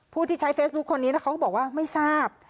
ผู้ที่ใช้เฟซบุ๊คคนนี้เขาก็บอกว่าไม่ทราบ